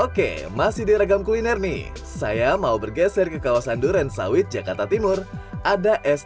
oke masih di ragam kuliner nih saya mau bergeser ke kawasan duren sawit jakarta timur ada es